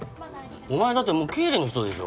お前だってもう経理の人でしょ？